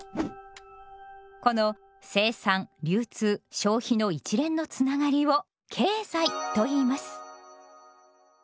この生産流通消費の一連のつながりを経済といいます。